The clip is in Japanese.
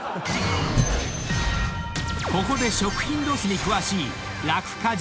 ［ここで食品ロスに詳しいラク家事